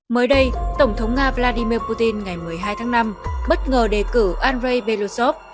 mới đây tổng thống nga vladimir putin ngày một mươi hai tháng năm bất ngờ đề cử andrei belosov